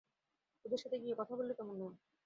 ওদের সাথে গিয়ে কথা বললে কেমন হয়।